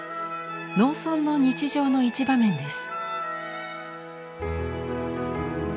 農村の日常の一場面です。